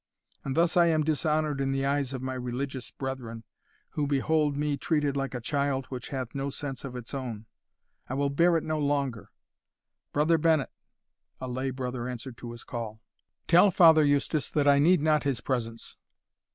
And thus I am dishonoured in the eyes of my religious brethren, who behold me treated like a child which hath no sense of its own I will bear it no longer! Brother Bennet," (a lay brother answered to his call) " tell Father Eustace that I need not his presence."